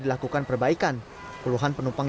dilakukan perbaikan puluhan penumpang